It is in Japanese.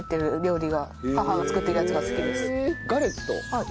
はい。